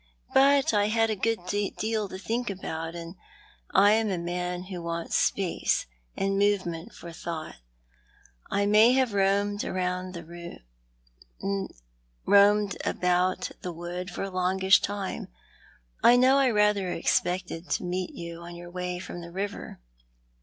But I had a good deal to think about, and I am a man who wants space and movement for thought. I may have roamed about the wood for a longish time. I know I rather expected to meet you on your way from the river.